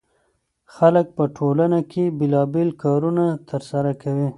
خلک په ټولنه کې بېلابېل کارونه ترسره کوي.